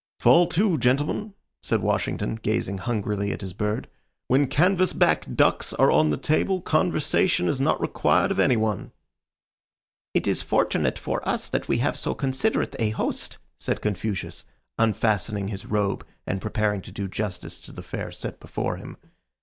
"Fall to, gentlemen," said Washington, gazing hungrily at his bird. "When canvas back ducks are on the table conversation is not required of any one." "It is fortunate for us that we have so considerate a host," said Confucius, unfastening his robe and preparing to do justice to the fare set before him.